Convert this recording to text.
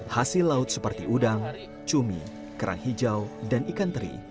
hasil laut seperti udang cumi kerang hijau dan ikan teri